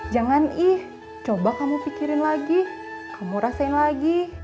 jangan ih coba kamu pikirin lagi kamu rasain lagi